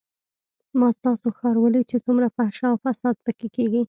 ما ستاسو ښار وليد چې څومره فحشا او فساد پکښې کېږي.